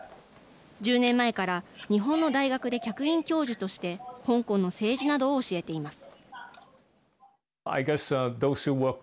１０年前から日本の大学で客員教授として香港の政治などを教えています。